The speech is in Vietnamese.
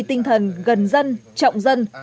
tinh thần gần dân trọng dân